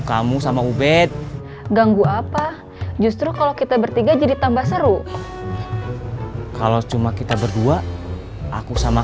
kamu sama ubed ganggu apa justru kalau kita bertiga jadi tambah seru kalau cuma kita berdua aku sama